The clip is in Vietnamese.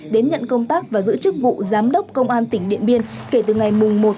đến nhận công tác và giữ chức vụ giám đốc công an tỉnh điện biên kể từ ngày một một mươi hai hai nghìn hai mươi một